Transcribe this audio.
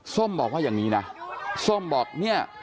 ส้มบอกว่าอย่างนี้นะส้มบอกเนี่ย